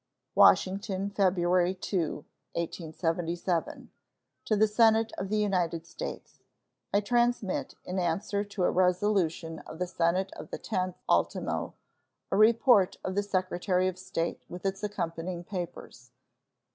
WASHINGTON, February 2, 1877. To the Senate of the United States: I transmit, in answer to a resolution of the Senate of the 10th ultimo, a report of the Secretary of State, with its accompanying papers.